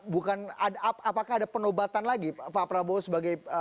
bukan apakah ada penobatan lagi pak prabowo sebagai